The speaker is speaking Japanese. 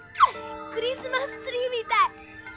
クリスマスツリーみたい！